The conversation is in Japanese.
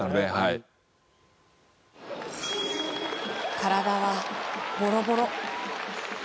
体はボロボロ。